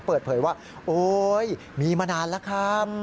เปิดเผยว่าโอ๊ยมีมานานแล้วครับ